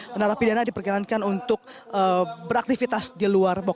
menerapi dana diperkenankan untuk beraktivitas di luar blok